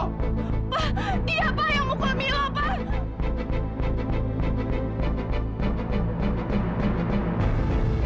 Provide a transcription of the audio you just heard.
pak dia pak yang mukul milo pak